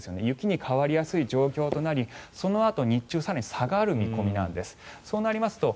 雪に変わりやすい状況となりそのあと日中更に下がる見込みなんです。